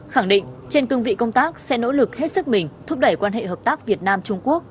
khẳng định trên cương vị công tác sẽ nỗ lực hết sức mình thúc đẩy quan hệ hợp tác việt nam trung quốc